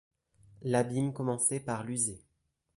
L’abîme commençait par l’user.